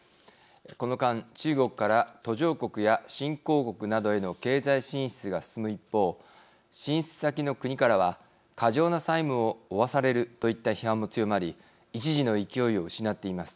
この間中国から途上国や新興国などへの経済進出が進む一方進出先の国からは過剰な債務を負わされるといった批判も強まり一時の勢いを失っています。